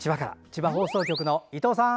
千葉放送局の伊藤さん！